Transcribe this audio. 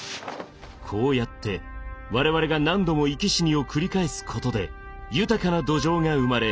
こうやって我々が何度も生き死にを繰り返すことで豊かな土壌が生まれ